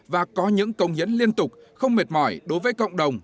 và có những công hiến liên tục không mệt mỏi đối với cộng đồng